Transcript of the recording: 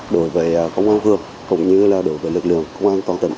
đối với công an phường cũng như là đối với lực lượng công an toàn tỉnh